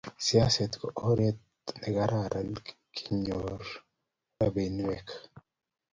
siasee ko oret ne kararan kenyoru rubeiwek